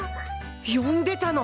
呼んでたの！？